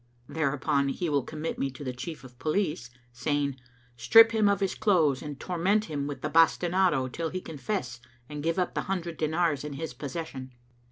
Thereupon he will commit me to the Chief of Police, saying, "Strip him of his clothes and torment him with the bastinado till he confess and give up the hundred dinars in his possession.